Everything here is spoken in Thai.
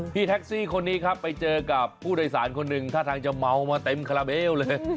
พี่แท็กซี่คนนี้ครับไปเจอกับผู้โดยสารคนหนึ่งท่าทางจะเมามาเต็มคาราเบลเลย